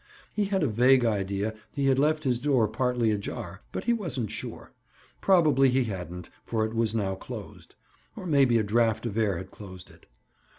He had a vague idea he had left his door partly ajar, but he wasn't sure; probably he hadn't, for it was now closed; or maybe a draft of air had closed it.